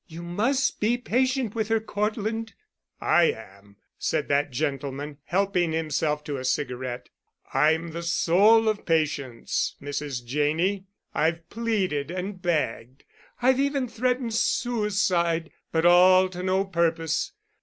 You must be patient with her, Cortland." "I am," said that gentleman, helping himself to a cigarette. "I'm the soul of patience, Mrs. Janney. I've pleaded and begged. I've even threatened suicide, but all to no purpose.